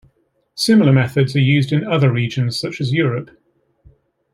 Similar methods are used in other regions such as Europe.